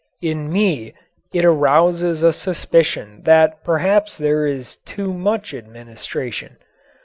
In me it arouses a suspicion that perhaps there is too much administration.